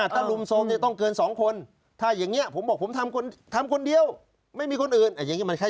ใช่ลุมโทษโมยังไงลุมโทษโมคือเกิน๒คน